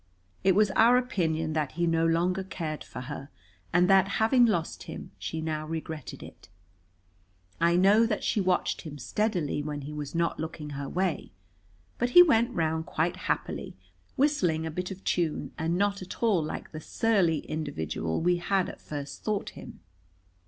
It was our opinion that he no longer cared for her, and that, having lost him, she now regretted it. I know that she watched him steadily when he was not looking her way. But he went round quite happily, whistling a bit of tune, and not at all like the surly individual we had at first thought him.